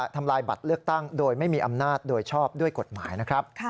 ทำลายบัตรเลือกตั้งโดยไม่มีอำนาจโดยชอบด้วยกฎหมายนะครับ